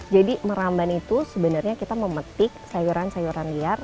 jadi meramban itu sebenarnya kita memetik sayuran sayuran liar